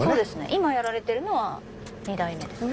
今やられているのは二代目ですね。